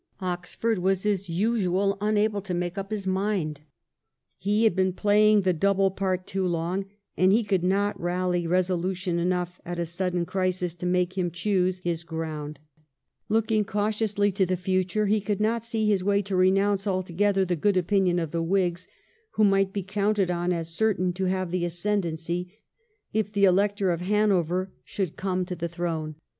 Oxford was as usual unable to make up his mind. He had been playing the double part too long, and he could not rally resolution enough at a sudden crisis to make him choose his 344 THE REIGN OF QUEEN ANNE. ch. xxxyii. ground. Looking cautiously to the future, he could not see his way to renounce altogether the good opinion of the Whigs who might be counted on as certain to have the ascendency if the Elector of Hanover should come to the throne.